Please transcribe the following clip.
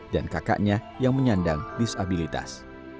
dan kakaknya yang menyandang disabilitas